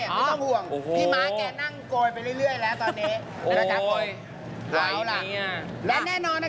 ไม่ต้องห่วงพี่ม้าแกนั่งโกยไปเรื่อยแล้วตอนนี้นะครับ